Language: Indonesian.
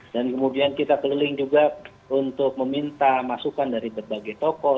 dan kemudian kita keliling juga untuk meminta masukan dari berbagai tokoh